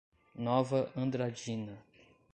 Nova Andradina